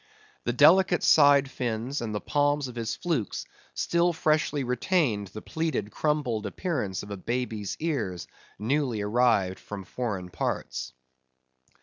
The delicate side fins, and the palms of his flukes, still freshly retained the plaited crumpled appearance of a baby's ears newly arrived from foreign parts.